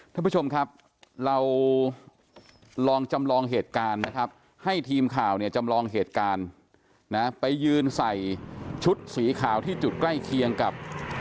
ท่านผู้ชมครับเราลองจำลองเหตุการณ์นะครับ